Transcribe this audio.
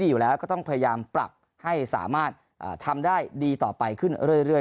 อยู่แล้วก็ต้องพยายามปรับให้สามารถทำได้ดีต่อไปขึ้นเรื่อย